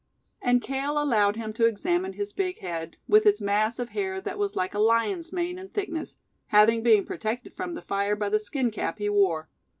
And Cale allowed him to examine his big head, with its mass of hair that was like a lion's mane in thickness, having been protected from the fire by the skin cap he wore.